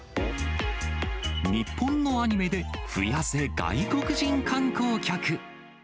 日本のアニメで増やせ外国人観光客。